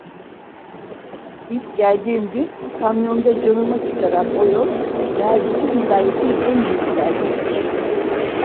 İlk geldiğim gün kamyonda canımı çıkaran o yol, meğer bütün vilayetin en büyük derdiymiş.